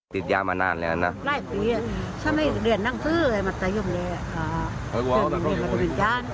ติดยามานานเลยนะหลายปีถ้าไม่เรียนนั่งซื้อเลยมันจะยุ่มเลย